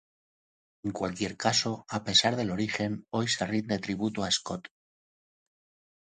En cualquier caso, a pesar del origen hoy se rinde tributo a Scott.